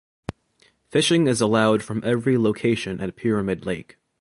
Fishing is allowed from every location at Pyramid Lake.